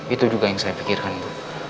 itu juga yang saya pikirkan